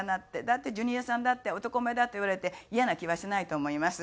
だってジュニアさんだって「男前だ」って言われてイヤな気はしないと思います。